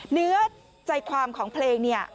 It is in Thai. เนื้อใจความของเพลงเนี่ย